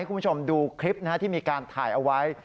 คุณผู้ชมดูคลิปที่มีการถ่ายเอาไว้